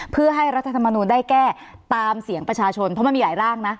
เพื่อให้รัฐธรรมนูลได้แก้ตามเสียงประชาชนเพราะมันมีหลายร่างนะ